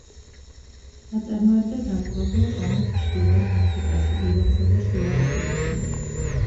აწარმოებდა დამპყრობლურ ომებს ჩრდილოეთ აფრიკაში, ირანსა და შუა აზიაში.